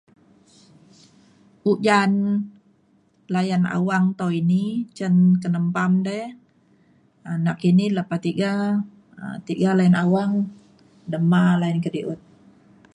ujan layan awang tau ini cin ke nembam de um nakini lepa tiga um tiga layan awang dema layan kedi’ut